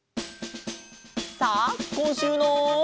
さあこんしゅうの。